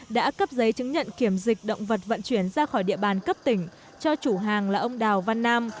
đã cấp giấy chứng nhận kiểm dịch động vật vận chuyển ra khỏi địa bàn cấp tỉnh cho chủ hàng là ông đào văn nam